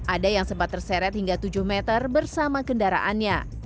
ada yang sempat terseret hingga tujuh meter bersama kendaraannya